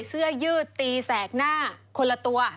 เสื้อยืดตีแสกหน้าคนละตัว